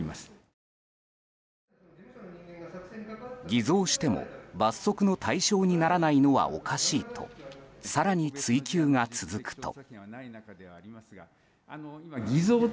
偽造しても罰則の対象にならないのはおかしいと更に追及が続くと。